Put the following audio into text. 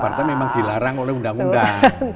partai memang dilarang oleh undang undang